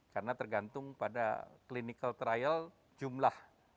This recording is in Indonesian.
karena tergantung pada clinical trial jumlah